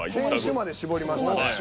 犬種まで絞りましたね。